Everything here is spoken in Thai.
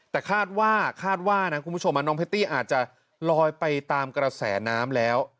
แต่คาดว่าคาดว่านะคุณผู้ชมน้องแพตตี้อาจจะลอยไปตามกระแสน้ำแล้ว